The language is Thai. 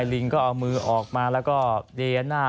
ลิงก็เอามือออกมาแล้วก็เยหน้า